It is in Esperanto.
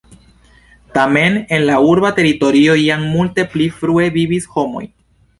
Tamen en la urba teritorio jam multe pli frue vivis homoj.